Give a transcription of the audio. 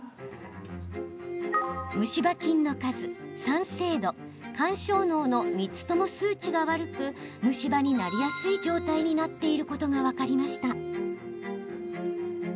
虫歯菌の数、酸性度、緩衝能の３つとも数値が悪く虫歯になりやすい状態になっていることが分かりました。